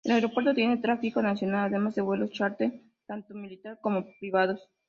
El aeropuerto tiene tráfico nacional, además de vuelos chárter tanto militar como privados.